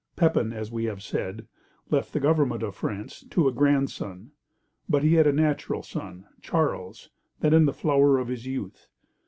Pepin, as we have said, left the government of France to a grandson; but he had a natural son, Charles, then in the flower of his youth.